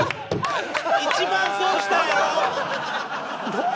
一番損したよ！